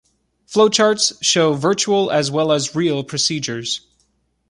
Flowcharts show virtual as well as real procedures.